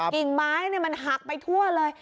กิ่งไม้มันหักไปทั่วเลย